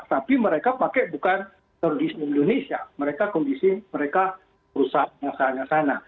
tapi mereka pakai bukan kondisi indonesia mereka kondisi perusahaan yang sana sana